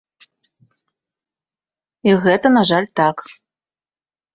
І гэта, на жаль, так.